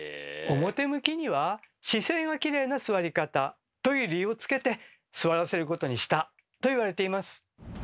表向きには「姿勢がキレイな座り方」という理由をつけて座らせることにしたと言われています。